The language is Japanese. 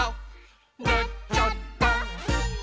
「なっちゃった！」